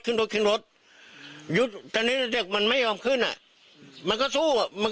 ขึ้นรถขึ้นรถหยุดตอนนี้เด็กมันไม่ยอมขึ้นอ่ะมันก็สู้อ่ะมัน